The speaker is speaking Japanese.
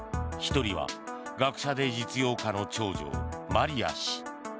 １人は、学者で実業家の長女マリア氏。